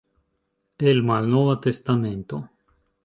El Malnova Testamento.